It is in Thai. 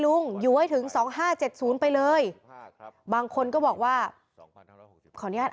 ลุงอยู่ไว้ถึงสองห้าเจ็ดศูนย์ไปเลยบางคนก็บอกว่าขออนุญาตอ่าน